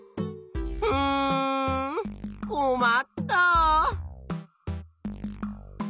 うんこまった。